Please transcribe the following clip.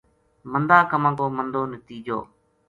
مندا کماں کو مندو نتیجو